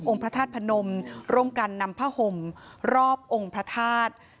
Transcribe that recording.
พระธาตุพนมร่วมกันนำผ้าห่มรอบองค์พระธาตุ